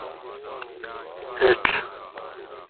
ایچ